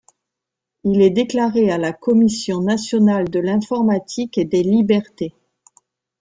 Il est déclaré à la Commission nationale de l'informatique et des libertés.